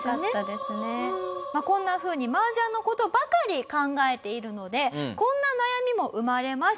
こんなふうに麻雀の事ばかり考えているのでこんな悩みも生まれます。